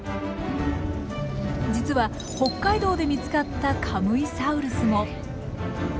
実は北海道で見つかったカムイサウルスも。